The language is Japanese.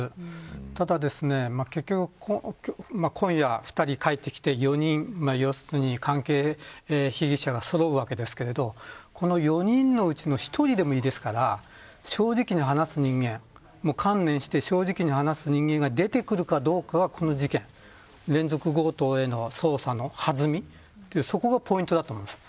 ただ、結局今夜、２人帰ってきて４人関係被疑者がそろうわけですがこの４人のうち１人でもいいですから正直に話す人間観念して、正直に話す人間が出てくるかどうかが、この事件連続強盗への捜査のはずみそこがポイントだと思います。